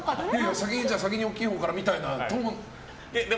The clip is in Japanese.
先に大きいほうからみたいなトーンで。